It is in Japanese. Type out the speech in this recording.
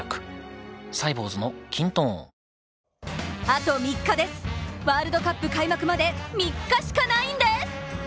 あと３日です、ワールドカップ開幕まで３日しかないんです！